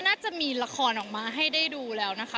น่าจะมีละครออกมาให้ได้ดูแล้วนะคะ